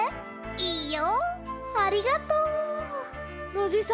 いいよ！